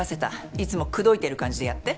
いつも口説いてる感じでやって。